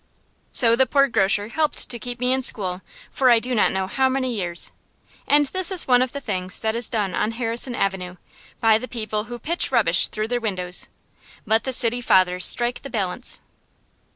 So the poor grocer helped to keep me in school for I do not know how many years. And this is one of the things that is done on Harrison Avenue, by the people who pitch rubbish through their windows. Let the City Fathers strike the balance.